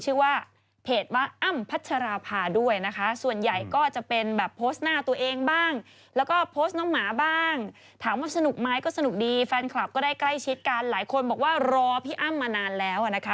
ชื่อว่าเพจวะอั้มพัชราภา